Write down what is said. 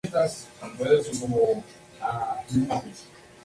La lucha fue rápida y sencilla.